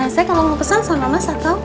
saya kalau mau pesan sama mas atau